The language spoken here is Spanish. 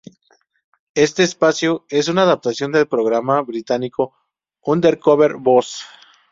Este espacio es una adaptación del programa británico "Undercover Boss".